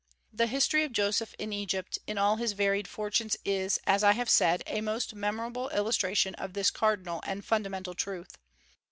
The history of Joseph in Egypt in all his varied fortunes is, as I have said, a most memorable illustration of this cardinal and fundamental truth.